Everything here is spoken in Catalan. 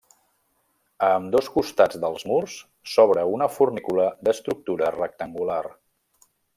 A ambdós costats dels murs s'obra una fornícula d'estructura rectangular.